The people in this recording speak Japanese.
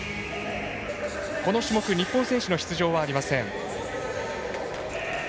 この種目、日本選手の出場はありません。